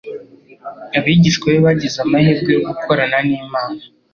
Abigishwa be bagize amahirwe yo gukorana n’Imana